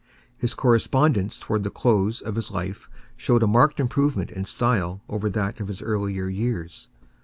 His correspondence towards the close of his life shows a marked improvement in style over that of his earlier years.